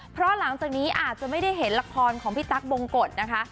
เพราะหลังจากนี้อาจจะไม่ได้เห็นละครของพี่ตั๊กบงกฎนะคะ